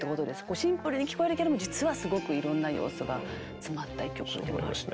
シンプルに聴こえるけども実はすごくいろんな要素が詰まった一曲でもあるんですね。